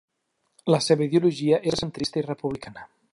La seva ideologia era centrista i republicana.